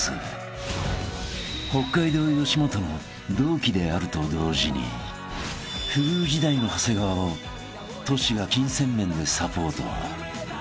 ［北海道吉本の同期であると同時に不遇時代の長谷川をトシが金銭面でサポート］